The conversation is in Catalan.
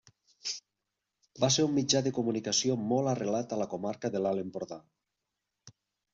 Va ser un mitjà de comunicació molt arrelat a la comarca de l'Alt Empordà.